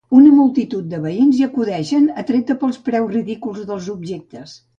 Una multitud de veïns hi acudeix, atreta pels preus ridículs dels objectes.